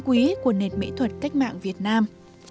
quý của nền mỹ thuật cách mạng việt nam